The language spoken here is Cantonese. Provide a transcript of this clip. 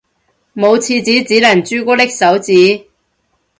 冇廁紙只能朱古力手指